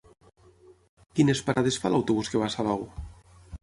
Quines parades fa l'autobús que va a Salou?